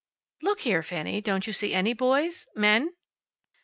"Look here, Fanny, don't you see any boys men?"